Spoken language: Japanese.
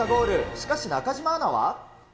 しかし中島アナは。